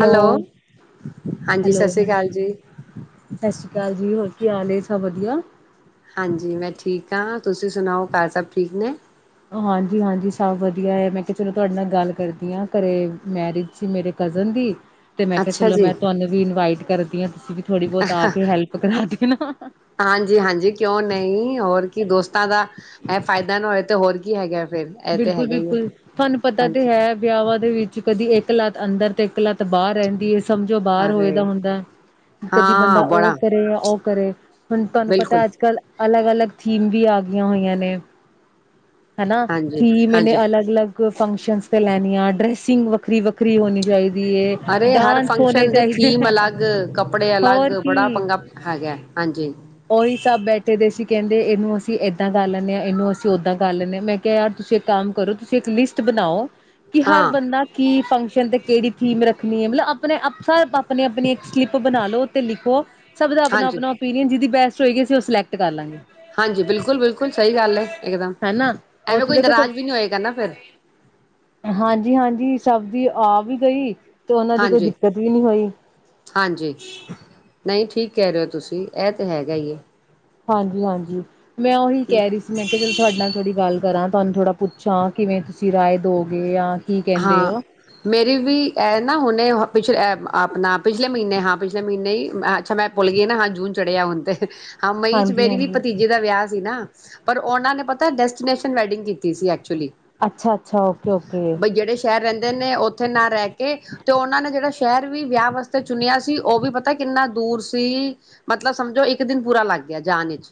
Hello ਹਾਂਜੀ ਸਤਿ ਸ਼੍ਰੀ ਹਾਂ, ਅਕਾਲ ਜੀ ਸਤਿ ਸ੍ਰੀ ਅਕਾਲ ਜੀ ਹੋਰ ਕੀ ਹਾਲ ਏ, ਸਭ ਵਧੀਆ। ਹਾਂਜੀ, ਮੈਂ ਠੀਕ ਹਾਂ, ਤੁਸੀਂ ਸੁਣਾਓ ਘਰ ਸਭ ਠੀਕ ਨੇ। ਹਾਂਜੀ-ਹਾਂਜੀ ਸਭ ਵਧੀਆ ਹੈ ਮੈਂ ਕਿਹਾ ਚਲੋ ਤੁਹਾਡੇ ਨਾਲ ਗੱਲ ਕਰਦੀ ਹਾਂ ਘਰੇ ਮੈਰਿਜ ਸੀ ਮੇਰੇ ਕਜ਼ਨ ਦੀ ਤੇ ਮੈਂ ਕਿਹਾ ਅੱਛਾ ਚਲੋ ਜੀ, ਮੈਂ ਤੁਹਾਨੂੰ ਵੀ ਇਨਵਾਈਟ ਕਰਦੀ ਹਾਂ ਤੁਸੀਂ ਵੀ ਥੋੜ੍ਹੀ ਬਹੁਤ ਆ ਕੇ ਹੈਲਪ ਕਰਾ ਦੇਣਾ ਹਾਂਜੀ-ਹਾਂਜੀ ਕਿਉਂ ਨਹੀਂ ਹੋਰ ਕੀ ਦੋਸਤਾਂ ਦਾ ਹੈ ਫਾਇਦਾ ਨੇ ਤੇ ਹੋਰ ਕੀ ਕੀ ਹੈਗਾ ਏ। ਬਿਲਕੁਲ ਬਿਲਕੁਲ ਤੁਹਾਨੂੰ ਪਤਾ ਤੇ ਹਾਂਜੀ ਹੈ ਵਿਆਹਾਂ ਦੇ ਵਿੱਚ ਕਦੀ ਇੱਕ ਲੱਤ ਅੰਦਰ ਤੇ ਇਕਲਾੱਤ ਬਾਹਰ ਰਹਿੰਦੀ ਹੈ ਸਮਝੋ ਬਾਹਰ ਹੋਏ ਦਾ ਅਰੇ ਹੁੰਦਾ ਕਦੀ ਹਾਂ ਬੰਦਾ ਉਹ ਬੜਾ ਕਰੇ ਉਹ ਕਰੇ ਹੁਣ ਤੁਹਾਨੂੰ ਬਿਲਕੁਲ ਪਤਾ ਅੱਜ ਕੱਲ੍ਹ ਅਲੱਗ ਅਲੱਗ ਥੀਮ ਵੀ ਆ ਗਈਆਂ ਹੋਈਆਂ ਨੇ ਹਨਾ ਹਾਂਜੀ ਸੀ ਮੈਨੇ ਹਾਂਜੀ ਅਲਗ ਅਲੱ ਫੰਕਸ਼ਨ ਤੇ ਲੈਣੀ ਆ ਡਰੈਸਿੰਗ ਵੱਖਰੀ ਵੱਖਰੀ ਹੋਣੀ ਚਾਹੀਦੀ ਏ। ਅਰੇ ਹਰ ਡਾਂਸ ਹੋਣੇ ਫੰਕਸ਼ਨ ਦੇ ਚਾਹੀਦੇ ਥੀਮ ਆ ਅਲੱਗ ਕੱਪੜੇ ਅਲੱਗ ਹੋਰ ਬੜਾ ਪੰਗਾ ਹੈਗਾ ਹਾਂਜੀ ਉਓਹੀ ਸਭ ਬੈਠੇ ਦੇ ਸੀ ਕਹਿੰਦੇ ਇਹਨੂੰ ਅਸੀਂ ਏਦਾਂ ਕਰ ਲੈਂਦੇ ਹਾਂ ਇਹਨੂੰ ਅਸੀਂ ਓਦਾਂ ਕਰ ਲੈਂਦੇ ਹਾਂ ਮੈਂ ਕਿਹਾ ਯਾਰ ਤੁਸੀਂ ਇੱਕ ਕੰਮ ਕਰੋ ਤੁਸੀਂ ਇੱਕ ਲਿਸਟ ਬਣਾਓ ਕਿ ਹਰ ਹਾਂ ਬੰਦਾ ਕੀ ਫੰਕ ਤੇ ਕਿਹੜ ਥੀਮ ਰੱਖਣੀ ਹੈ ਮਤਲਬ ਆਪਣੇ ਆਪੇ ਆਪਣੀ ਆਪਣੀ ਇੱਕ ਸਲਿੱਪ ਬਣਾ ਲਓ ਤੇ ਲਿਖੋ ਸਭ ਦਾ ਆਪਣਾ ਹਾਂਜੀ ਆਪਣਾ ਓਪੀਨੀਅਨ ਜਿਹਦੀ ਬੈਸਟ ਹੋਏਗੀ ਅ ਸੀ ਉਹ ਸਿਲੈਟ ਕਰ ਲਾਂਗੇ ਹਾਂਜੀ ਬਿਲਕੁਲ ਬਿਲਕੁਲ ਸਹੀ ਗੱਲ ਇਕਦਮ ਹਨਾ ਉਹ ਐਵੇਂ ਤੇ ਕੋਈ ਦੇਖੋ ਨਾਰਾਜ਼ ਸਭ ਵੀ ਨੀ ਹੋਏ ਕਹਿੰਦਾ ਫਿਰ ਹਾਂਜੀ ਹਾਂਜੀ ਸਭ ਦੀ ਆ ਵੀ ਗਈ ਤੇ ਉਹਨਾ ਦੀ ਕੋਈ ਹਾਂਜੀ ਦਿੱਕਤ ਵੀ ਨਹੀਂੀ ਹੋਈ ਕੀ ਕਹਿ ਰਹੇ ਹੋ ਤੁਸੀਂ ਇਹ ਤੇ ਹੈਗਾ ਹਾਂਜੀ ਹਾਂਜੀ ਮੈਂ ਉਹੀ ਕਹਿ ਰਹੀ ਸੀ ਮੈਂ ਕਿਹਾ ਚਲੋ ਤੁਹਾਡੇ ਨਾਲ ਥੋੜੀ ਗੱਲ ਕਰਾਂ ਤੁਹਾਨੂੰ ਥੋੜ੍ਹਾ ਪੁੱਛਾਂ ਕਿਵੇਂ ਤੁਸੀਂ ਰਾਏ ਦੋਗੇ ਜਾਂ ਕੀ ਕਹਿੰਦੇ ਹਾਂ ਹੋ ਮੇਰੀ ਵੀ ਇਹ ਨਾ ਹੁਣੇ ਪਿੱਛੇ ਆਪਣਾ ਪਿਛਲੇ ਮਹੀਨੇ ਹਾਂ ਪਿਛਲੇ ਮਹੀਨੇ ਹੀ ਅੱਛਾ ਮੈਂ ਭੁੱਲ ਗਈ ਨਾ ਹਾਂ ਜੂਨ ਚੜਿਆ ਹੁਣ ਤੇ ਹਾਂ ਮਈ 'ਚ ਹਾਂਜੀ ਮੇਰੀ ਵੀ ਹਾਂਜੀ ਭਤੀਜੇ ਦਾ ਵਿਆਹ ਸੀ ਨਾ ਪਰ ਉਹਨਾਂ ਨੇ ਪਤਾ ਡੈਸਟੀਨੇਸ਼ਨ ਵੈਡਿੰਗ ਕੀਤੀ ਸੀ ਐਕਚੁਲੀ ਅੱਛਾ ਅੱਛਾ ਓਕੇ ਓਕੇ ਬਈ ਜਿਹੜੇ ਸ਼ਹਿਰ ਰਹਿੰਦੇ ਨੇ ਉੱਥੇ ਨਾ ਰਹਿ ਕੇ ਤੇ ਉਹਨਾਂ ਨੇ ਜਿਹੜਾ ਸ਼ਹਿਰ ਵੀ ਵਿਆਹ ਵਾਸਤੇ ਚੁਣਿਆ ਸੀ ਉਹ ਵੀ ਪਤਾ ਕਿੰਨਾ ਦੂਰ ਸੀ ਮਤਲਬ ਸਮਝੋ ਇੱਕ ਦਿਨ ਪੂਰਾ ਲੱਗ ਗਿਆ ਜਾਣ ਵਿਚ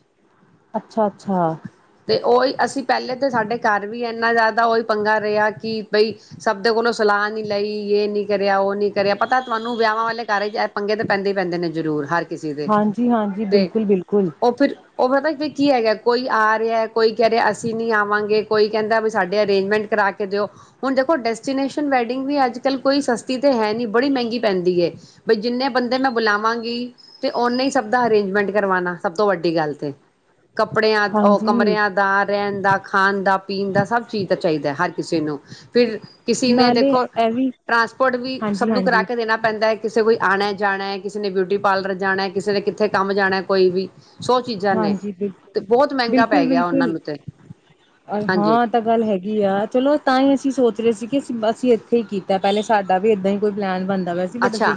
ਅੱਛਾ ਅੱਛਾ ਤੇ ਉਹੀ ਅਸੀਂ ਪਹਿਲੇ ਤਾਂ ਸਾਡੇ ਘਰ ਵੀ ਇੰਨਾ ਜ਼ਿਆਦਾ ਉਹੀ ਪੰਗਾ ਰਿਹਾ ਕਿ ਬਈ ਸਭ ਦੇ ਕੋਲੋਂ ਸਲਾਹ ਨੀ ਲਈ ਇਹ ਨੀ ਕਰਿਆ ਉਹ ਨੀ ਕਰਿਆ ਪਤਾ ਤੁਹਾਨੂੰ ਵਿਆਹਾਂ ਵਾਲੇ ਘ ਪੰਗੇ ਤਾਂ ਪੈਂਦੇ ਹੀ ਪੈਂਦੇ ਨੇ ਜ਼ਰੂਰ ਹਰ ਕਿਸੇ ਦੇ ਹਾਂਜੀ ਹਾਂਜੀ ਤੇ ਬਿਲਕੁਲ ਬਿਲਕੁਲ ਉਹ ਫਿਰ ਉਹ ਪਤਾ ਕੀ ਹੈਗਾ ਕੋਈ ਆ ਰਿਹਾ ਕੋਈ ਕਹਿ ਰਿਹਾ ਅਸੀਂ ਨਹੀਂੀ ਆਵਾਂਗੇ ਕੋਈ ਕਹਿੰਦਾ ਵੀ ਸਾਡੇ ਅਰੇਂਜਮੈਂਟ ਕਰਾ ਕੇ ਦਿਓ ਹੁਣ ਦੇਖੋ ਡੈਸਟੀਨੇਸ਼ਨ ਵੈਡਿੰਗ ਵੀ ਅੱਜ ਕੱਲ੍ਹ ਕੋਈ ਸਸਤੀ ਤੇ ਹੈ ਨਹੀਂ, ਬੜੀ ਮਹਿੰਗੀ ਪੈਂਦੀ ਐ। ਬਈ ਜਿੰਨੇ ਬੰਦੇ ਮੈਂ ਬੁਲਾਵਾਂਗੀ ਤੇ ਉਹਨਾਂ ਹੀ ਸਭ ਦਾ ਅਰੇਂਜਮੈਂਟ ਕਰਵਾਉਣਾ ਸਭ ਤੋਂ ਵੱਡੀ ਗੱਲ ਤੇ। ਕੱਪੜਿਆਂ ਉਹ ਹਾਂਜੀ ਕਮਰਿਆਂ ਦਾ, ਰਹਿਨ ਦਾ, ਖਾਨ ਦਾ, ਪੀਨ ਦਾ, ਸਭ ਚੀਜ਼ ਤਾਂ ਚਾਹੀਦਾ ਹੈ ਹਰ ਕਿਸੇ ਨੂੰ। ਫਿਰ ਕਿਸੇ ਨੇ ਨਾਲੇ ਦੇਖੋ ਇਹ ਵੀ ਟਰਾਂਸਪੋਰਟ ਵੀ ਹਾਂਜੀ ਸਭ ਨੂੰ ਕਰਾ ਹਾਂਜੀ ਕੇ ਦੇਣਾ ਪੈਂਦਾ ਹੈ ਕਿਸੇ ਕੋਈ ਆਣਾ ਜਾਣਾ, ਕਿਸੇ ਨੇ ਬਿਊਟੀ ਪਾਰਲਰ ਜਾਣਾ, ਕਿਸੇ ਨੇ ਕਿੱਥੇ ਕੰਮ ਜਾਣਾ ਕੋਈ ਵੀ। ਸੌ ਚੀਜ਼ਾਂ ਨੇ ਹਾਂਜੀ ਬਿਲਕੁ ਤੇ ਬਹੁਤ ਮਹਿੰਗਾ ਪੈ ਗਿਆ ਉਹਨਾਂ ਬਿਲਕੁਲ-ਬਿਲਕੁਲ, ਨੂੰ ਤੇ ਹਾਂਜੀ ਹਾਂ ਤਾਂ ਗੱਲ ਹੈਗੀ ਆ ਚਲੋ ਤਾਂ ਹੀ ਅਸੀਂ ਸੋਚ ਸੀ ਕਿ ਅਸੀਂ ਇੱਥੇ ਹੀ ਕੀਤਾ, ਪਹਿਲੇ ਸਾਡਾ ਵੀ ਇਦਾਂ ਹੀ ਕੋਈ ਪਲੈਨ ਬਣ- ਅੱਛਾ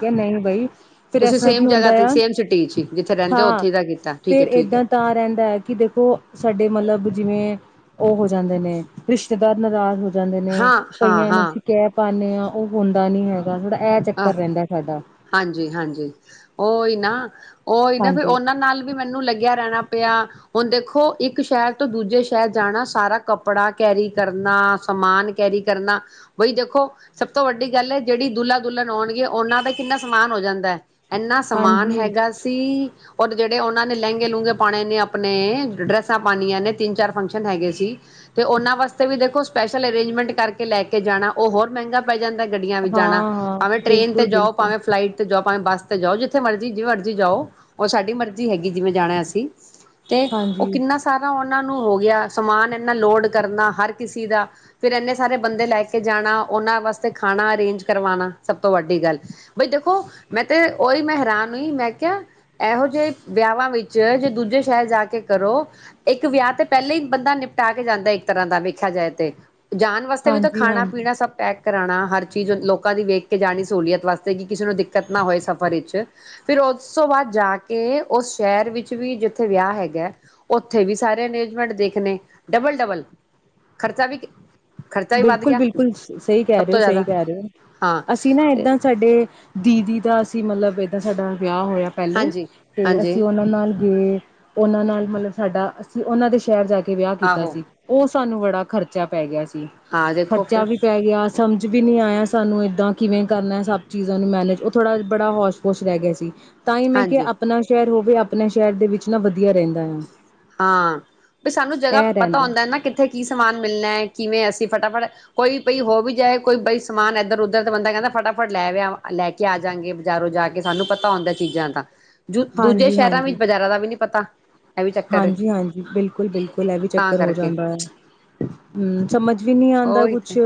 ਤੁਸੀਂ ਇਸ ਤਰ੍ਹਾਂ ਕੀ ਸੇਮ ਜਗ੍ਹਾ ਹੁੰਦਾ ਤੇ ਆ ਸੇਮ ਸਿਟੀ ਚ ਹੀ ਜਿੱਥੇ ਰਹਿੰਦੇ ਹੋ ਹਾਂ ਉੱਥੇ ਦਾ ਹੀ ਕੀਤਾ। ਠੀਕ ਫੇਰ ਹੈ ਠੀਕ ਹੈ ਏਦਾਂ ਤਾਂ ਰਹਿੰਦਾ ਹੈ ਕਿ ਦੇਖੋ ਸਾਡੇ ਮਤਲਬ ਜਿਵੇਂ ਉਹ ਹੋ ਜਾਂਦੇ ਨੇ, ਰਿਸ਼ਤੇਦਾਰ ਨਾਰਾਜ਼ ਹੋ ਜਾਂਦੇ ਨੇ, ਹਾਂ ਹਾਂ ਕਈਆਂ ਨੂੰ ਅਸੀਂ ਕਹਿ ਪਾਨੇ ਆ ਉਹ ਹੁੰਦਾ ਨੀ ਹੈ। ਆਹ ਹਾਂਜੀ-ਹਾਂਜੀ ਉਹ ਹੀ ਨਾ। [unintelligible] ਉਹ ਹੀ ਨਾ ਫਿਰ ਹਾਂਜੀ ਉਹਨਾਂ ਨਾਲ ਵੀ ਮੈਨੂੰ ਲੱਗਿਆ ਰਹਿਣਾ ਪਿਆ। ਹੁਣ ਦੇਖੋ ਇੱਕ ਸ਼ਹਿਰ ਤੋਂ ਦੂਜੇ ਸ਼ਹਿਰ ਜਾਣਾ, ਸਾਰਾ ਕੱਪੜਾ ਕੈਰੀ ਕਰਨਾ, ਸਮਾਨ ਕੈਰੀ ਕਰਨਾ ਬਈ ਦੇਖੋ ਸਭ ਤੋਂ ਵੱਡੀ ਗੱਲ ਹੈ ਜਿਹੜੀ ਦੁੱ ਦੁਲਣ ਹੋਣਗੇ ਉਹਨਾਂ ਦਾ ਕਿੰਨਾ ਸਮਾਨ ਹੋ ਜਾਂਦਾ ਹੈ। ਏਨਾ ਸਮਾਨ ਹਾਂਜੀ ਹੈਗਾ ਸੀ ਔਰ ਜਿਹੜੇ ਉਹਨਾਂ ਨੇ ਲਹਿੰਗੇ ਲੂੰਘਗੇ ਪਾਣੇ ਨੇ ਆਪਣੇ, ਡਰੈਸਾਂ ਪਾਣੀਆਂ ਨੇ ਤਿੰਨ ਚਾਰ ਫੰਕਸ਼ਨ ਹੈਗੇ ਸੀ ਤੇ ਉਹਨਾਂ ਵਾਸਤੇ ਵੀ ਦੇਖੋ ਸਪੈਸ਼ਲ ਅਰੇਂਜਮੈਂਟ ਕਰ ਲੈ ਕੇ ਜਾਣਾ ਉਹ ਹੋਰ ਮਹਿੰਗਾ ਪੈ ਜਾਂਦਾ ਗੱਡੀਆਂ ਵਿੱਚ ਹਾਂ ਜਾਣਾ। ਹਾਂ ਟ੍ਰੇਨ ਤੇ ਬਿਲਕੁਲ ਜਾਓ ਬਿਲਕੁਲ ਭਾਵੇਂ ਫਲਾਈਟ ਤੇ ਜਾ ਭਾਵੇਂ ਬੱਸ ਤੇ ਜਾਓ ਜਿੱਥੇ ਮਰਜ਼ੀ, ਜਿਵੇਂ ਮਰਜ਼ੀ ਜਾਓ ਉਹ ਸਾਡੀ ਮਰਜ਼ੀ ਹੈਗੀ ਜਿਵੇਂ ਜਾਣਾ ਅਸੀਂ। ਤੇ ਉਹ ਹਾਂਜੀ ਕਿੰਨਾ ਸਾਰਾ ਆਉਣ ਉਹਨਾਂ ਨੂੰ ਹੋ ਗਿਆ, ਸਮਾਨ ਇਨਾ ਲੋਡ ਕਰਨਾ ਹਰ ਕਿਸੇ ਦਾ ਫਿਰ ਇੰਨੇ ਸਾਰੇ ਬੰਦੇ ਲੈ ਕੇ ਜਾਣਾ, ਉਹਨਾਂ ਵਾਸਤੇ ਖਾਣਾ ਅਰੇਂਜ ਕਰਵਾਨਾ। ਸਭ ਤੋਂ ਵੱਡੀ ਗੱਲ ਬਈ ਦੇਖੋ ਮੈਂ ਤੇ ਉਹੀ ਮੈਂ ਹੈਰਾਨ ਮੈਂ ਕਿਹਾ ਇਹੋ ਜਿਹੇ ਵਿਆਹਾਂ ਵਿੱਚ ਜੇ ਦੂਜੇ ਸ਼ਹਿਰ ਜਾ ਕੇ ਕਰੋ ਇੱਕ ਵਿਆਹ ਤੇ ਪਹਿਲਾਂ ਹੀ ਬੰਦਾ ਨਿਪਟਾ ਕੇ ਜਾਂਦਾ ਇੱਕ ਤਰ੍ਹਾਂ ਦਾ ਵੇਖਿਆ ਜਾਏ ਤੇ, ਜਾਣ ਵਾਸਤੇ ਵੀ ਤਾਂ ਹਾਂਜੀ ਖਾਣਾ ਹਾਂਜੀ ਪੀਣਾ ਸਭ ਪੈਕ ਕਰਾਣਾ ਹਰ ਚੀਜ਼ ਲੋਕਾਂ ਦੀ ਵੇਖ ਜਾਣੀ ਸਹੂਲੀਅਤ ਵਾਸਤੇ ਕਿ ਕਿਸੇ ਨੂੰ ਦਿ ਕਤ ਨਾ ਹੋਏ ਸਫ਼ਰ ਵਿੱਚ ਫਿਰ ਉਸ ਤੋਂ ਬਾਅਦ ਜਾ ਕੇ ਉਸ ਸ਼ਹਿਰ ਵਿੱਚ ਵੀ ਜਿੱ ਥੇ ਵਿਆਹ ਹੈਗਾ, ਉੱਥੇ ਵੀ ਸਾਰੇ ਅਨਜਮੈਂਟ ਦੇਖਨੇ ਡਬਲ-ਡਬਲ ਖਰਚਾ ਵੀ ਖਰਚਾ ਵੀ ਵੱਧ ਬਿਲਕੁਲ, ਗਿਆ ਬਿਲਕੁਲ, ਸਹੀ ਕਹਿ ਸਭ ਰਹੇ ਹੋ, ਤੋਂ ਸਹੀ ਜ਼ਿਆਦਾ ਕਹਿ ਰਹੇ ਹੋ। ਹਾਂ ਅਸੀਂ ਨਾ ਤੇ ਇੱਦਾਂ ਸਾਡੇ ਦੀਦੀ ਦਾ ਅਸੀਂ ਮਤਲਬ ਏਦਾਂ ਸਾਡਾ ਵਿਆਹ ਹੋਇਆ ਪਹਿਲੇ, ਹਾਂਜੀ ਤੇ ਅਸੀਂ ਹਾਂਜੀ ਉਹਨਾਂ ਨਾਲ ਗਏ। ਉਹਨਾਂ ਨਾਲ ਮਤਲਬ ਸਾਡਾ, ਅਸੀਂ ਉਹਨਾਂ ਦੇ ਸ਼ਹਿਰ ਜਾ ਕੇ ਵਿਆਹ ਕੀਤਾ ਆਹੋ ਸੀ। ਉਸ ਸਾਨੂੰ ਬੜਾ ਖਰਚਾ ਪੈ ਗਿਆ ਸੀ। ਹਾਂ ਦੇਖੋ ਖਰਚਾ ਫਿਰ ਵੀ ਪੈ ਗਿਆ ਸਮਝ ਵੀ ਨਹੀਂ ਆਇਆ ਸਾਨੂੰ, ਏਦਾਂ ਕਿਵੇਂ ਕਰਨਾ ਸਭ ਚੀਜ਼ਾਂ ਨੂੰ ਮੈਨੇਜ, ਉਹ ਥੋੜ੍ਹਾ ਬੜਾ ਹੋਜ ਪੋਜ ਰਹਿ ਗਿਆ ਸੀ। ਤਾਂਹੀ ਮੈਂ ਕਿਹਾ, ਹਾਂਜੀ ਆਪਣਾ ਸ਼ਹਿਰ ਹੋ ਵੇ ਆਪਣੇ ਸ਼ਹਿਰ ਦੇ ਵਿੱਚ ਨਾ ਵਧੀਆ ਰਹਿੰਦਾ ਆ। ਹਾਂ ਬਸ ਸਾਨੂੰ ਜਗ੍ਹਾ ਇਹ ਪਤਾ ਰਹਿੰਦਾ ਹੁੰਦਾ ਨਾ ਕਿੱਥੇ ਕੀ ਸਮਾਨ ਮਿਲਣਾ ਹੈ। ਕਿਵੇਂ ਅਸੀਂ ਫਟਾਫਟ ਕੋਈ ਬਈ ਹੋ ਵੀ ਜਾਏ ਕੋਈ ਬਈ ਸਮਾਨ ਇੱਧਰ ਉੱਧਰ ਤਾਂ ਬੰਦਾ ਕਹਿੰਦਾ ਫਟਾਫਟ ਲੈਿਆ ਲੈ ਕੇ ਆ ਜਾਂਗੇ ਬਾਜ਼ਾਰੋਂ ਜਾ ਕੇ ਸਾਨੂੰ ਪਤਾ ਹੁੰਦਾ ਚੀਜ਼ਾਂ ਦਾ। ਦੂਜੇ ਸ਼ਹਿਰਾਂ ਹਾਂਜੀ-ਹਾਂਜੀ। ਵਿੱਚ ਬਜ਼ਾਰਾਂ ਦਾ ਵੀ ਨੀ ਪਤਾ। ਇਹ ਵੀ ਚੱਕਰ ਏ ਹਾਂਜੀ-ਹਾਂਜੀ। ਬਿਲਕੁਲ, ਬਿਲਕੁਲ। ਇਹ ਵੀ ਤਾਂ ਚੱਕਰ ਹੋ ਕਰਕੇ ਜਾਂਦਾ ਹੈ। ਹੂੰ ਸਮਝ ਵੀ ਨਹੀਂ ਆਉਂਦਾ ਉਹੀ ਤੇ ਕੁਛ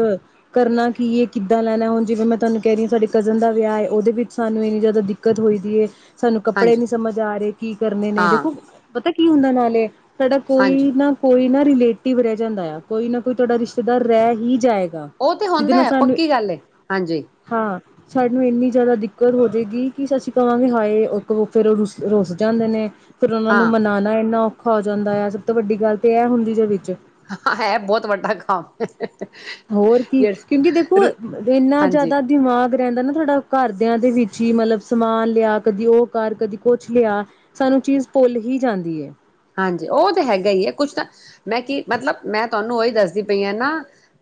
ਕਰਨਾ ਕੀ ਹੈ ਕਿੱਦਾਂ ਲੈਣਾ ਹੁਣ ਜਿਵੇਂ ਮੈਂ ਤੁਹਾਨੂੰ ਕਹਿ ਰਹੀ ਹਾਂ ਸਾਡੇ ਕਜ਼ਨ ਦਾ ਵਿਆਹ ਹੈ ਉਹਦੇ ਵਿੱਚ ਸਾਨੂੰ ਇੰਨੀ ਜ਼ਿਆਦਾ ਦਿੱਕਤ ਹੋਈਦੀ ਹੈ। ਸਾਨੂੰ ਕੱਪੜੇ ਹਾਂਜੀ ਨੀ ਸਮਝ ਆ ਰਹੇ ਕੀ ਕਰਨੇ ਨੇ ਹਾਂ ਦੇਖੋ ਪਤਾ ਕੀ ਹੁੰਦਾ ਨਾਲੇ? ਸਾਡਾ ਹਾਂਜੀ ਕੋਈ ਨਾ ਕੋਈ ਨਾ ਰਿਲੇਟਿਵ ਰਹਿ ਜਾਂਦਾ ਹੈ, ਕੋਈ ਨਾ ਕੋਈ ਤੁਹਾਡਾ ਰਿਸ਼ਤੇਦਾਰ ਰਹਿ ਹੀ ਜਾਏਗਾ। ਉਹ ਤੇ ਜਿਹਦੇ ਹੁੰਦਾ ਨਾਲ ਹੈ, ਸਾਨੂੰ ਪੱਕੀ ਗੱਲ ਹੈ, ਹਾਂਜੀ। ਹਾਂ ਸਾਨੂੰ ਇੰਨੀ ਜ਼ਿਆਦਾ ਦਿੱਕਤ ਹੋ ਜਾਏਗੀ ਕਿ ਅਸੀਂ ਕਹਾਂਗੇ ਹਾਏ ਫਿਰਤੋ ਰੁਸ ਰੁੱਸ ਜਾਂਦੇ ਨੇ। ਫਿਰ ਉਹਨਾਂ ਹਾਂ ਨੂੰ ਮਨਾਓ। ਇੰਨਾ ਔਖਾ ਹੋ ਜਾਂਦਾ ਆ ਸਭ ਤੋਂ ਵੱਡੀ ਗੱਲ ਤੇ ਇਹ ਹੁੰਦੀ ਜੇ ਵਿੱਚ। ਹਾਂ ਹੈ ਬਹੁਤ ਵੱਡਾ ਕੰਮ। ਹੋਰ ਕੀ ਕਿਉਂਕਿ ਦੇਖੋ ਜਿਹੜਾ ਇੰਨਾ ਹਾਂਜੀ ਜ਼ਿਆਦਾ ਦਿਮਾਗ ਰਹਿੰਦਾ ਨਾ ਤੁਹਾਡਾ ਘਰਦਿਆਂ ਦੇ ਵਿੱਚ ਹੀ ਮਤਲਬ ਸਮਾਨ ਲਿਆ ਕਦੀ ਉਹ ਕਰ, ਕਦੀ ਕੁਛ ਲਿਆ ਸਾਨੂੰ ਚੀਜ਼ ਭੁੱਲ ਹੀ ਜਾਂਦੀ ਹੈ। ਹਾਂਜੀ, ਉਹ ਤਾਂ ਹੈਗਾ ਹੀ ਹੈ ਕੁਛ ਤਾਂ ਮੈਂ ਕੀ ਮਤਲਬ ਮੈਂ ਤੁਹਾਨੂੰ ਉਹੀ ਦੱਸਦੀ ਪਈ ਹ ਨਾ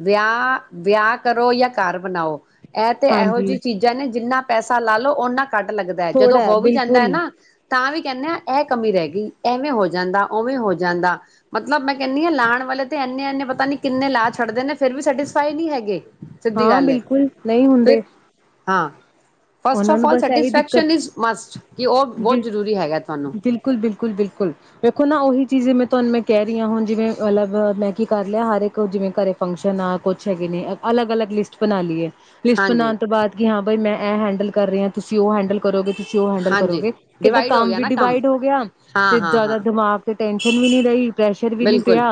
ਵਿਆਹ, ਵਿਆਹ ਕਰੋ ਜਾਂ ਘਰ ਬਣਾਓ। ਇਹ ਤੇ ਇਹੋ ਹਾਂਜੀ ਜਿਹੀ ਚੀਜ਼ਾਂ ਨੇ ਜਿੰਨਾ ਪੈਸਾ ਲਾ ਲਓ ਉਹਨਾਂ ਘਟ ਲੱਗਦਾ ਹੈ,। ਜਦੋਂ ਥੋੜ੍ਹਾ ਹੋ ਵੀ ਜਾਂਦਾ ਹੈ ਬਿਲਕੁਲ ਨਾ ਤਾਂ ਵੀ ਕਹਿੰਦੇ ਇਹ ਕਮੀ ਰਹਿ ਗਈ ਐਵੇਂ ਹੋ ਜਾ ਜਾਂਦਾ ਉਵੇਂ ਹੋ ਜਾਂਦਾ ਮਤਲਬ ਮੈਂ ਕਹਿੰਦੀ ਹਾਂ ਲਾਉਣ ਵਾਲੇ ਤੇ ਇੰਨੇ-ਇੰਨੇ ਪਤਾ ਨੀ ਕਿੰਨੇ ਲਾ ਛੱਡਦੇ ਨੇ ਫੇਰ ਵੀ ਸੈਟਿਸਫਾਈ ਨਹੀਂ ਹੈਗੇ ਸਿੱਧੀ ਹਾਂ ਗੱਲ ਹੈ। ਬਿਲਕੁਲ ਨਹੀਂ ਫਿਰ ਹੁੰਦੇ ਹਾਂ। ਫਸਟ ਉਹਨਾਂ ਆਫ ਨੂੰ ਆਲ ਬਸ ਇਹੀ ਦਿੱਕਤ ਸੈਟਿਸਫੈਕਸ਼ਨ ਇਜ਼ ਮਸਟ ਕਿ ਉਹ ਬਹੁਤ ਬਿਲ ਜ਼ਰੂਰੀ ਹੈਗਾ ਤੁਹਾਨੂੰ। ਬਿਲਕੁਲ ਬਿਲਕੁਲ ਬਿਲਕੁਲ ਵੇਖੋ ਨਾ ਉਹੀ ਚੀਜ਼ ਜਿਵੇਂ ਤੁਹਾਨੂੰ ਮੈਂ ਕਹਿ ਰਹੀ ਹਾਂ ਹੁਣ ਜਿਵੇਂ ਅਲਗ ਮੈਂ ਕੀ ਕਰ ਲਿਆ ਹਰ ਇੱਕ ਜਿਵੇਂ ਘਰ ਫੰਕਸ਼ਨ ਆ ਕੁਛ ਹੈਗੇ ਨੇ ਅਲੱਗ -ਅਲੱਗ ਲਿਸਟ ਬਣਾ ਲਈਏ। ਲਿਸਟ ਹਾਂਜੀ ਬਣਾਨ ਤੋਂ ਬਾਅਦ ਕੀ ਹਾਂ ਬਈ ਮੈਂ ਇਹ ਕੀ ਕਰ ਰਹੇ ਹਾਂ ਤੁਸੀਂ ਉਹ ਹੈਂਡਲ ਕਰੋਗੇ ਤੁਸੀਂ ਔ ਹੈਂਡਲ ਹਾਂਜੀ ਕਰੋਗੇ। ਕਿਤੇ ਡਿਵਾਈਡ ਹੋ ਕੰਮ ਗਿਆ ਵੀ ਨਾ ਡਿਵਾਈਡ ਹੋ ਗਿਆ। ਹਾਂ ਤੇ ਹਾਂ ਹਾਂ ਜਿਆਦਾ ਦਿਮਾਗ ਤੇ ਟੈਨਸ਼ਨ ਵੀ ਨਹੀਂ ਪ੍ਰੈਸਰ ਵੀ ਨਹੀਂ ਪਿਆ ਬਿਲਕੁਲ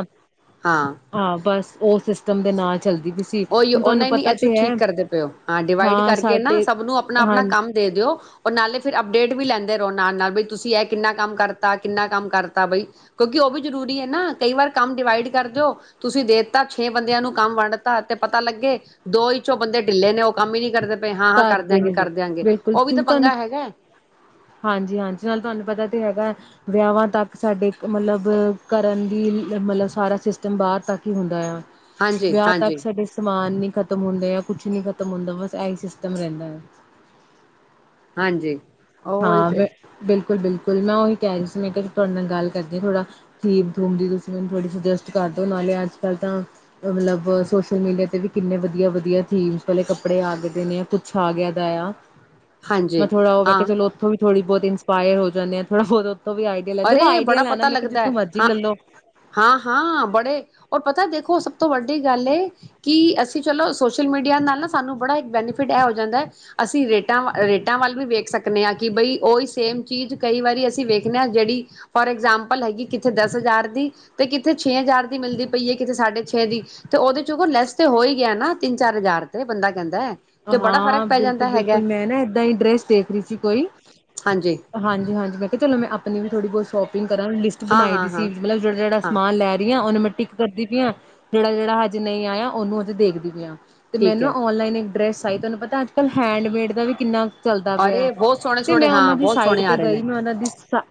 ਹਾਂ ਬਸ ਔ ਸਿਸਟਮ ਤਮ ਦੇ ਨਾਲ ਚੱਲਦੀ ਵੀ ਸੀ ਉਹੀ ਹੁਣ ਉਹਨਾ ਤੁਹਾਨੂੰ ਹੀ ਨੀ ਐ ਪਤਾ ਤੇ ਹੈ ਠੀਕ ਕਰਦੇ ਪਏਓ ਹਾਂ ਡਿਵਾਈਡ ਕਰਕੇ ਨਾ ਸਭ ਨੂੰ ਆਪਣਾ -ਆਪਣਾ ਹਾਂ ਕੰਮ ਦੇ ਦਿਓ ਔਰ ਨਾਲੇ ਫਿਰ ਅਪਡੇਟ ਵੀ ਲੈਂਦੇ ਰਹੋ ਨਾਲ -ਨਾਲ ਬਈ ਤੁਸੀਂ ਇਹ ਕਿੰਨਾ ਕੰਮ ਕਰਤਾ, ਕਿੰਨਾ ਕੰਮ ਕਰਤਾ ਬਈ ਕਿਉਂਕਿ ਉਹ ਵੀ ਜਰੂਰੀ ਹੈ ਨਾ ਕਈ ਵਾਰ ਕੰਮ ਡਿਵਾਈਡ ਕਰ ਦਿਓ ਤੁਸੀਂ ਦੇਤਾ ਛੇ ਬੰਦਿਆਂ ਨੂੰ ਕੰਮ ਵੰਡ ਤਾ ਤੇ ਪਤਾ ਲੱਗੇ ਦੋ ਈਚੋ ਬੰਦੇ ਢਿੱਲੇ ਨੇ ਉਹ ਕੰਮ ਹੀ ਨੀ ਕਰਦੇ ਹਾਂ, ਹਾਂ ਘਰ ਕਰ ਦੇ ਦਿਆਂਗੇ ਕਰ ਨੇ ਦਿਆਂਗੇ ਉਹ ਵੀ ਤੇ ਪੰਗਾ ਹੈਗਾ ਹੈ। ਹਾਂਜੀ, ਹਾਂਜੀ ਨਾਲ ਤੁਹਾਨੂੰ ਪਤਾ ਤਾਂ ਹੈਗਾ, ਵਿਆਹਾਂ ਤੱਕ ਸਾਡੇ ਮਤਲਬ ਕਰਨ ਦੀ ਮਤਲਬ ਸਾਰਾ ਸਿਸਟਮ ਬਾਹਰ ਤੱਕ ਹੀ ਹੁੰਦਾ ਆ। ਹਾਂਜੀ ਵਿਆਹ ਤੱਕ ਹਾਂਜੀ ਸਾਡੇ ਸਮਾਨ ਨੀ ਖਤ ਖਤਮ ਹੁੰਦੇ ਆ ਕੁਛ ਨੀ ਖਤਮ ਹੁੰਦਾ ਬਸ ਇਹੀ ਸਿਸਟਮ ਰਹਿੰਦਾ ਹੈ। ਹਾਂਜੀ। ਉਹੀ ਹਾਂ ਮੈਂ ਤੇ ਬਿਲਕੁਲ, ਬਿਲਕੁਲ। ਮੈਂ ਉਹੀ ਕਹਿ ਸੀ ਮੈਂ ਕਿਹਾ ਤੁਹਾਡੇ ਨਾਲ ਗੱਲ ਕਰਦੀ ਹਾਂ ਥੋੜਾ ਥੀਮ-ਥੂਮ ਦੀ ਤੁਸੀਂ ਮੈਨੂੰ ਥੋੜੀ ਸੁਜੈਸਟ ਕਰਦੋ ਨਾਲੇ ਅੱਜ -ਕੱਲ ਤਾਂ ਮਤਲਬ ਸੋਸ਼ਲ ਮੀਡੀਆ ਤੇ ਵੀ ਕਿੰਨੇ ਵਧੀਆ ਵਧਆ ਥੀਮਸ ਵਾਲੇ ਕੱਪੜੇ ਆ ਗਏ ਨੇ ਕੁਛ ਆ ਗਿਆ ਦਾ ਆ। ਮੈਂ ਹਾਂਜੀ ਥੋੜਾ ਉਹ ਵੇ ਹਾਂ ਚਲੋ ਔਥੋਂ ਵੀ ਥੋੜੀ ਬੋਹੁਤ ਇੰਸਪਾਇਰ ਹੋ ਜਾਂਦੇ ਥੋੜਾ ਹੋਰ ਅਰੇ ਬੜਾ ਪਤਾ ਲੱਗਦਾ ਹੈ ਮਰਜ਼ੀ ਹਾਂ, ਲੈਲੋ ਹਾਂ, ਹਾਂ ਬੜੇ ਔਰ ਪਤਾ ਦੇਖੋ ਸਭ ਸਭ ਤੋਂ ਵੱਡੀ ਗੱਲ ਏ ਕਿ ਅਸੀਂ ਚਲੋ ਸੋਸ਼ਲ ਮੀਡੀਆ ਨਾਲ ਨਾ ਸਾਨੂੰ ਬੜਾ ਇੱਕ ਬੈਨੀਫਿਟ ਇਹ ਹੋ ਜਾਂਦਾ ਹੈ। ਅਸੀਂ ਰੇਟਾਂ ਰੇਟਾਂ ਵੱਲ ਵੀ ਵੇਖ ਸਕਦੇ ਹਾਂ ਕਿ ਬਈ ਉਹੀ ਸੇਮ ਚੀਜ਼ ਕਈ ਵਾਰੀ ਅਸੀਂ ਵੇਖਦੇ ਹਾਂ ਜਿਹੜੀ ਫੋਰ ਐਗਜਾਮਪਲ ਹੈਗੀ ਕਿੱਥੇ ਦਸ ਹਜ਼ਾਰ ਦੀ ਤੇ ਕਿੱਥੇ ਛੇ ਹਜ਼ਾਰ ਦੀ ਮਿਲਦੀ ਪਈ ਹੈ। ਕਿਥੇ ਸਾਡੇ ਛੇ ਦੀ ਤੇ ਉਹਦੇ ਚ ਲੈਸ ਤੇ ਹੋ ਹੀ ਗਿਆ ਨਾ। ਤਿੰਨ ਚਾਰ ਹਜ਼ਾਰ ਤੇ ਬੰਦਾ ਕਹਿੰਦਾ ਹੈ ਤੇ ਬੜਾ ਫ਼ਰਕ ਹਾਂ ਪੈ ਬਿਲਕੁਲ, ਜਾਂਦਾ ਹੈਗਾ ਬਿਲਕੁਲ ਮੈਂ ਨਾ ਏਦਾਂ ਹੀ ਡਰੈਸ ਦੇਖ ਰਹੀ ਸੀ ਕੋਈ ਹਾਂਜੀ ਹਾਂਜੀ, ਹਾਂਜੀ ਮੈਂ ਕਿਹਾ ਚਲੋ ਮੈਂ ਆਪਣੀ ਵੀ ਥੋੜ੍ਹੀ ਬਹੁਤ ਸ਼ੋਪਿੰਗ ਕਰਾ ਲਿਸਟ ਹਾਂ ਬਣਾਈ ਹਾਂ ਸੀ। ਹਾਂ ਮਲਬ ਜਿਹੜਾ ਜਿਹੜ ਹਾਂ ਸਮਾਨ ਲੈ ਰਹੀ ਉਹਨੇ ਮੈ ਟਿੱਕ ਕਰਦੀ ਪਈਆਂ ਜਿਹੜਾ, ਜਿਹੜਾ ਅੱਜ ਨਹੀਂ ਆਇਆ ਉਹਨੂੰ ਅੱਜ ਦੇਖਦੀ ਪਈਆਂ। ਤੇ ਠੀਕ ਮੈਨੂੰ ਹੈ ਔਨਲਾਈਨ ਇੱਕ ਡਰੈਸ ਤੈਨੂੰ ਪਤਾ ਅੱਜ ਕਲ ਹੈਂਡ ਮੇਡ ਦਾ ਵੀ ਕਿੰਨਾ ਚੱਲਦਾ ਪਿਆ, ਅਰੇ ਬਹੁਤ ਸੋਹਣੇ ਤੇ ਸੋਹਣੇ ਮੈਂ ਹਾਂ ਉਨ੍ਹਾਂ ਦੀ ਬਹੁਤ ਸਾਈਟ ਸੋਹਣੇ ਆ ਤੇ ਰਹੇ ਗਈ ਨੇ ਮੈਂ ਉਨ੍ਹਾਂ ਦੀ ਸਾਈ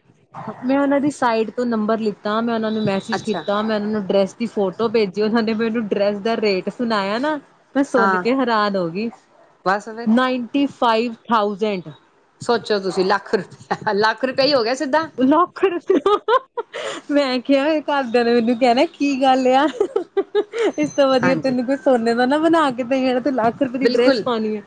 ਮੈਂ ਉਹਨਾਂ ਦੀ ਸਾਈਡ ਤੋਂ ਨੰਬਰ ਤਾਂ ਮੈਂ ਉਹਨਾਂ ਨੂੰ ਮੈਸੇਜ ਅੱਛਾ ਕੀਤਾ ਮੈਂ ਉਹਨਾਂ ਨੂੰ ਡਰੈਸ ਦੀ ਫੋਟੋ ਭੇਜੀ ਓਨਾ ਨੇ ਮੈਨੂੰ ਡਰੈਸ ਦਾ ਰੇਟ ਸੁਣਾਇਆ ਨਾ ਮੈਂ ਸੁਣ ਹਾਂ ਕੇ ਹੈਰਾਨ ਹੋ ਗਈ ਬਸ ਫਿਰ ਨਾਈਨਟੀ ਫਾਈਵ ਥਾਊਜੈਂਡ ਸੋਚੋ ਤੁਸੀਂ ਲੱਖ ਰੁ ਲੱਖ ਰੁਪਏ ਈ ਹੋ ਗਏ ਲੋਕੜ [inaudible] ਮੈਂ ਕਿਆ ਘਰਦਿਆਂ ਨੇ ਮੈਨੂੰ ਕਹਿਣਾ ਕੀ ਗੱਲ ਇਆ ਇਸ ਤੋਂ ਵਧੀਆ ਹਾਂਜੀ ਤੈਨੂੰ ਕੋਈ ਸੋਨੇ ਦਾ ਨਾ ਬਨਾ ਕਿੇ [inaudible] ਲੱਖ ਰੁਪਏ ਦੀ ਡਰੈਸ ਬਿਲਕੁਲ ਪਾਨੀ ਏ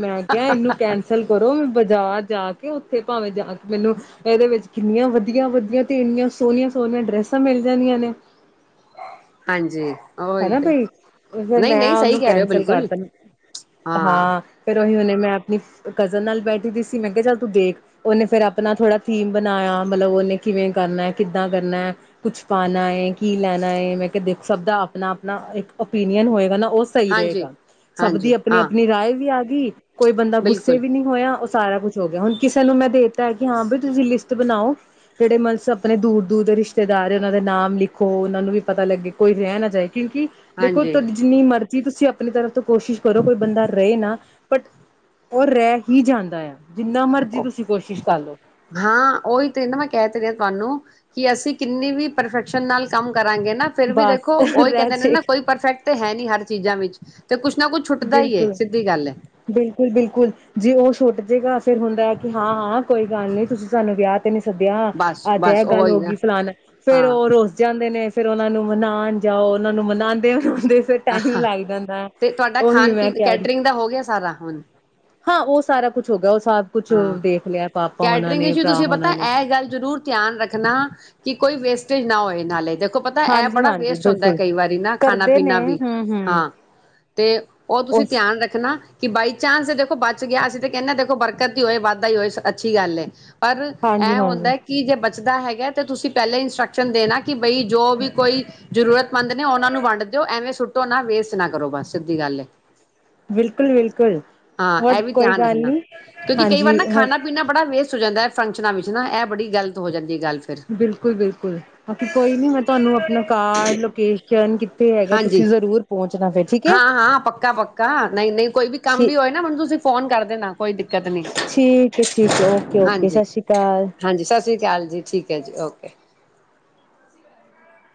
ਮੈਂ ਕਿਹਾ ਇਹਨੂੰ ਕੈਂਸਲ ਕਰੋ ਮੈਂ ਜਾ ਜਾ ਕੇ ਉੱਥੇ ਭਾਵੇਂ ਜਾ ਕੇ ਮੈਨੂੰ ਇਹਦੇ ਵਿੱਚ ਕਿੰਨੀਆਂ ਵਧੀਆ ਵਧੀਆ ਤੇ ਇੰਨਆਂ ਸੋਨੀਆਂ ਸੋਨੀਆਂ ਡਰੈਸਾਂ ਮਿਲ ਜਾਂਦੀਆਂ ਨੇ ਹਾਂਜੀ ਉਹੀ ਹੈਨਾ ਤੇ ਬਈ ਫਿਰ ਨਹੀਂ ਮੈਂ ਨਹੀਂ ਸਹੀ ਉਹਨੂੰ ਕਹਿ ਰਹੇ ਹੋ ਕੈਂਸਲ ਬਿਲਕੁਲ ਕਰਤਾ ਹਾਂ ਫੇਿਰ ਉਹੀ ਉਹਨੇ ਮੈਂ ਆਪਣੀ ਕਜ਼ਨ ਨਾਲ ਬੈਠੀ ਦੀ ਸੀ ਮੈਂ ਕਿਹਾ ਚੱਲ ਤੂੰ ਦੇਖ ਉਹਨੇ ਫੇਿਰ ਆਪਣਾ ਥੋੜਾ ਥੀਮ ਬਨਾਇਆ ਮਤਲਬ ਉਹਨੇ ਕਿਵੇਂ ਕਰਨਾ ਕਿੱਦਾਂ ਕਰਨਾ ਏ ਕੁਛ ਪਾਨਾ ਏ ਕੀ ਲੈਣਾ ਏ ਮੈਂ ਕਿਹਾ ਦੇਖ ਸਭ ਦਾ ਅਪਨਾ ਅਪਨਾ ਇੱਕ ਓਪੀਨੀਅਨ ਹੋਏਗਾ ਨਾ ਉਹ ਸਹੀ ਹਾਂਜੀ ਰਹੇਗਾ ਸਭ ਹਾਂਜੀ ਦੀ ਅਪਨੀ ਹਾਂ ਅਪਨੀ ਰਾਏ ਵੀ ਆ ਤੀ ਕੋਈ ਬੰਦਾ ਗੁੱਸੇ ਬਿਲਕੁਲ ਵੀ ਨਹੀਂ ਹੋਇਆ। ਸਾਰਾ ਕੁਛ ਹੋ ਗਿਆ ਹੁਣ ਕਿਸੇ ਨੂੰ ਮੈਂ ਦੇ ਦਿੱਤਾ ਕਿ ਹਾਂ ਬ ਤੁਸੀਂ ਲਿਸਟ ਬਣਾਓ ਜਿਹੜੇ ਮ ਆਪਣੇ ਦੂਰ ਦੂਰ ਦੇ ਰਿਸ਼ਤੇਦਾਰ ਉਹਨਾਂ ਦੇ ਨਾਮ ਲਿਖੋ ਉਹਨਾਂ ਨੂੰ ਵੀ ਪਤਾ ਲੱਗੇ ਕੋਈ ਰਹਿ ਨਾ ਜਾਏ ਕਿਉਂਕਿ ਦੇਖੋ ਤੁ ਹਾਂਜੀ ਜਿੰਨੀ ਮਰਜ਼ੀ ਤੁਸੀਂ ਅਪ ਆਪਣੀ ਤਰਫ ਤੋਂ ਕੋਸ਼ਿਸ਼ ਕਰੋ ਕੋਈ ਬੰਦਾ ਰਹੇ ਨਾ ਬਟ ਉਹ ਰਹਿ ਹੀ ਜਾਂਦਾ ਆ ਜਿੰਨਾ ਮਰਜ਼ੀ ਤੁਸੀਂ ਕੋਸ਼ਿਸ਼ ਕਰ ਲਓ ਹਾਂ ਉਹੀ ਤੇ ਨਾ ਮੈਂ ਕਹਿ ਤੇ ਰਿਹਾ ਤੁਹਾਨੂੰ ਕਿ ਅਸੀਂ ਕਿੰਨੀ ਵੀ ਪਰਫੈਕਸ਼ਨ ਨਾਲ ਕੰਮ ਕਰਾਂਗੇ ਨਾ ਫਿਰ ਵੀ ਬਸ ਦੇਖੋ ਉਹੀ ਰਹਿ ਕਹਿੰਦੇ ਨੇ ਜੇ ਨਾ ਕੋਈ ਪਰਫੈਕਟ ਹੈ ਨੀ ਹਰ ਚੀਜ਼ਾਂ ਵਿੱਚ ਤੇ ਕੁਛ ਨਾ ਕੁਛ ਛੁੱਟਦਾ ਈ ਏ ਬਿਲਕੁਲ ਸਿੱਧੀ ਗੱਲ ਹੈ ਬਿਲਕੁਲ-ਬਿਲਕੁਲ ਜੇ ਉਹ ਛੁੱਟ ਜੇਗਾ ਫਿਰ ਹੁੰਦਾ ਕਿ ਹਾਂ ਹਾਂ ਕੋਈ ਗੱਲ ਨਹੀ ਤੁਸੀਂ ਸਾਨੂੰ ਵਿਆਹ ਤੇ ਨੀ ਸੱਦਿਆਾਂ ਬਸ ਅੱਜ ਇਹ ਬਸ ਗੱਲ ਉਹੀ ਹੋ ਨਾ ਗਈ ਫਲਾਨ ਫੇਰ ਹਾਂ ਉਹ ਰੁਸ ਜਾਂਦੇ ਨੇ ਫੇਿਰ ਉਹਨਾਂ ਨੂੰ ਮਨਾਨ ਜਾਓ ਉਹਨਾਂ ਨੂੰ ਮਨਾਦੇ ਉਹ ਆਹ ਤੇ ਤੁਹਾਡਾ ਉਹੀ ਖਾਨ ਮੈਂ ਪੀਨ ਕਹਿ ਰਹੀ ਕੈਟਰਿੰਗ ਦਾ ਹੋ ਗਿਆ ਸਾਰਾ ਹੁਣ ਹਾਂ ਉਹ ਸਾਰਾ ਕੁਛ ਹੋ ਗਿਆ ਸਭ ਕੁਛ ਹਾਂ ਦੇਖ ਲਿਆ ਪਾਪਾ ਉਹਨਾਂ ਕੈਟਰਿੰਗ ਨੇ ਇਸ਼ੂ ਭਰਾ ਤੁਸੀਂ ਪਤਾ ਉਹਨਾਂ ਨੇ ਇਹ ਗੱਲ ਜ਼ਰੂਰ ਧਿਆਨ ਰੱਖਨਾ ਕਿ ਕੋਈ ਵੇਸਟੇਜ ਨਾ ਹੋਏ ਨਾਲੇ ਦੇ ਪਤਾ ਇਹ ਬੜਾ ਹਾਂਜੀ-ਹਾਂਜੀ ਵੇਸਟ ਹੁੰਦਾ ਬਿਲਕੁਲ ਕਈ ਵਾਰੀ ਨਾ ਖਾਨਾ ਕਰਦੇ ਨੇ ਪੀਨਾ ਵੀ ਹੂੰ-ਹੂੰ ਹਾਂ ਤੇ ਉਹ ਤੁਸੀਂ ਉਸ ਧਿਆਨ ਰੱਖਣਾ ਕਿ ਬਾਈ ਚਾਂਸ ਤੇ ਦੇਖੋ ਬਚ ਗਿਆ ਅਸੀ ਤੇ ਕਹਿੰਨੇ ਆ ਦੇਖੋ ਬਰ ਕਦੀ ਹੋਏ ਵਾਧਾ ਹੀ ਹੋਏ ਅੱਛੀ ਗੱਲ ਏ ਪਰ ਇਹ ਹਾਂਜੀ-ਹਾਂਜੀ ਹੁੰਦਾ ਕਿ ਜੇ ਬ ਸਿਦਾ ਹੈਗਾ ਤੇ ਤੁਸੀਂ ਪਹਿਲੇ ਇੰਸਟਰਕਸ਼ਨ ਦੇਣਾ ਕੀ ਬਈ ਜੋ ਵੀ ਕੋਈ ਜ਼ਰੂਰਤਮੰਦ ਨੇ ਉਹਨਾਂ ਨੂੰ ਵੰਡ ਦਿਓ, ਐਵੇਂ ਸੁੱਟੋ ਨਾ ਵੇਸਟ ਨਾ ਕਰੋ ਬਸ ਸਿੱਧੀ ਗੱਲ ਏ ਬਿਲਕੁਲ-ਬਿਲਕੁਲ, ਹੋਰ ਕੋਈ ਗੱਲ ਨੀ ਕਿਉਕ ਕਈ ਵਾਰ ਹਾਂਜੀ ਨਾ ਹੁਣ ਖਾਣਾ ਪੀਣਾ ਬੜਾ ਵੇਸਟ ਹੋ ਜਾਂਦਾ ਫੰਕਸ਼ਨਾਂ ਵਿੱਚ ਨਾ, ਇਹ ਬੜੀ ਗ਼ਲਤ ਹੋ ਜਾਂਦੀ ਹੈ ਗੱਲ ਫਿਰ ਬਿਲਕੁਲ-ਬਿਲਕੁਲ, ਬਾਕੀ ਕੋਈ ਨੀ ਮੈਂ ਤੁਹਾਨੂੰ ਆਪਣਾ ਕਾਰਡ, ਲੋਕੇਸ਼ਨ, ਕਿੱਥੇ ਹੈਗਾ ਹਾਂਜੀ ਤੁਸੀਂ ਜ਼ਰੂਰ ਪਹੁੰਚਨਾ ਫਿਰ ਠੀਕ ਹੈ ਹਾਂ ਹਾਂ ਪੱਕਾ ਪੱਕਾ ਨਹੀਂ ਨਹੀਂ ਕੋਈ ਵੀ ਠੀ ਕੋਈ ਦਿ ਕਤ ਨਹੀਂ, ਓਕੇ-ਓਕੇ ਸਤਿ ਸ਼੍ਰੀ ਅਕਾਲ। ਹਾਂਜੀ-ਹਾਂਜੀ, ਸਤ ਸ੍ਰੀ ਅਕਾਲ ਜੀ ਠੀਕ ਹੈ ਜੀ ਓਕੇ। [unintelligible]